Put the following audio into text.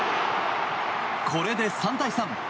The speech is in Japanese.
これで３対３。